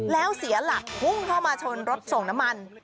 แล้วเสียหลักพุ่งเข้ามาชนรถส่งน้ำมัน